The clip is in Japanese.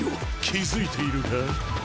気付いているか？